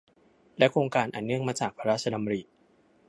และโครงการอันเนื่องมาจากพระราชดำริ